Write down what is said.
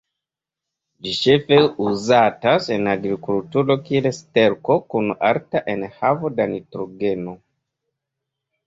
Ĝi ĉefe uzatas en agrikulturo kiel sterko kun alta enhavo da nitrogeno.